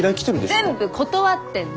全部断ってんの！